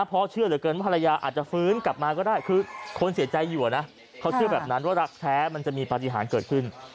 เพราะเชื่อเหลือเกินว่าภรรยาอาจจะฟื้นกลับมาก็ได้คือคนเสียใจอยู่นะเขาเชื่อแบบนั้นว่ารักแท้มันจะมีปฏิหารเกิดขึ้น